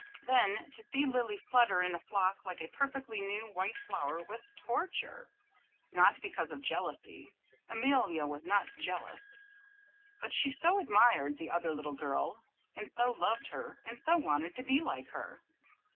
Then to see Lily flutter in a frock like a perfectly new white flower was torture; not because of jealousy Amelia was not jealous; but she so admired the other little girl, and so loved her, and so wanted to be like her.